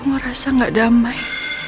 merasa gak damai